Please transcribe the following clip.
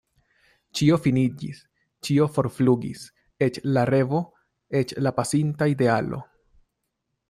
Ĉio finiĝis, ĉio forflugis, eĉ la revo, eĉ la pasinta idealo.